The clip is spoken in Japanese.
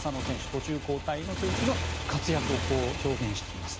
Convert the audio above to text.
途中交代の選手の活躍を表現しています。